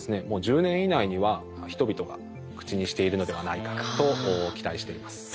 もう１０年以内には人々が口にしているのではないかと期待しています。